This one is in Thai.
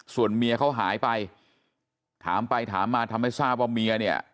ส่วนเมียเขาหายไปถามไปถามมาทำให้ทราบว่าเมียเนี่ย